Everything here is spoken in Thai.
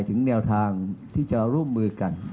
ถึงแนวทางที่จะร่วมมือกัน